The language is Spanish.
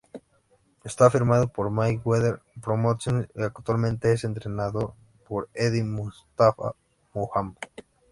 Está firmado con Mayweather Promotions y actualmente es entrenado por Eddie Mustafa Muhammad.